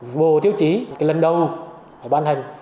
bộ tiêu chí lần đầu ban hành